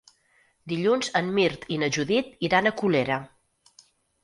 Dilluns en Mirt i na Judit iran a Colera.